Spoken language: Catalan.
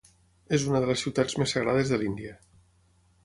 És una de les ciutats més sagrades de l'Índia.